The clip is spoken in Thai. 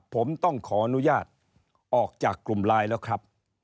ผมต้องขออนุญาตออกจากกลุ่มไลน์แล้วครับ